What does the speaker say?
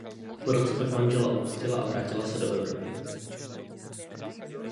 Po roce pak manžela opustila a vrátila se do Evropy.